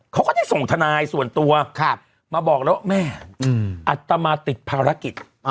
เขาก็ได้ส่งทนายส่วนตัวมาบอกแล้วว่าแม่อัตมาติดภารกิจ